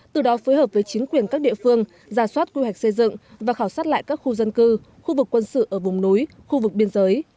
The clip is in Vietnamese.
từ đó phối hợp với chính quyền các địa phương giả soát quy hoạch xây dựng và khảo sát lại các khu dân cư khu vực quân sự ở vùng núi khu vực biên giới